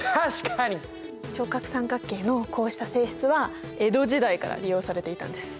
直角三角形のこうした性質は江戸時代から利用されていたんです。